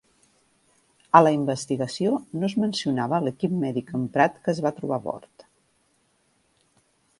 A la investigació no es mencionava l'equip mèdic emprat que es va trobar a bord.